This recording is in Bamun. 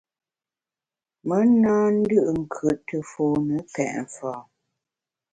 Me na ndù’nkùt te fone pèt mfâ.